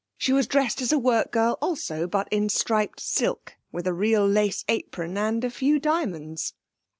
She was dressed as a work girl also, but in striped silk with a real lace apron and a few diamonds.